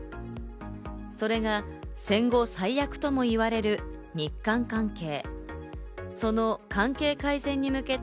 それが戦後最悪ともいわれる日韓関係。